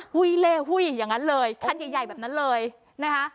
หุ้ยเล่หุ้ยอย่างนั้นเลยคันใหญ่แบบนั้นเลยนะคะ